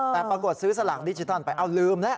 แต่ปรากฏซื้อสลากดิจิทัลไปเอาลืมแล้ว